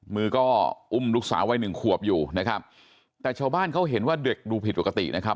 มือก็อุ้มลูกสาววัยหนึ่งขวบอยู่นะครับแต่ชาวบ้านเขาเห็นว่าเด็กดูผิดปกตินะครับ